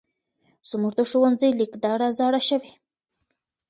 زمونږ د ښونځې لېک دړه زاړه شوی.